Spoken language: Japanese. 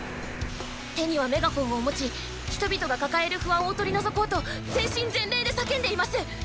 手にはメガホンを持ち人々が抱える不安を取り除こうと全身全霊で叫んでいます。